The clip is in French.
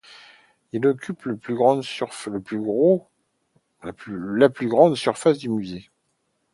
Il occupe la plus grande surface du musée.